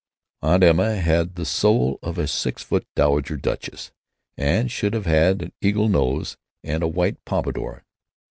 Aunt Emma had the soul of a six foot dowager duchess, and should have had an eagle nose and a white pompadour.